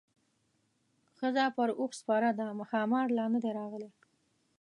ښځه پر اوښ سپره ده ښامار لا نه دی راغلی.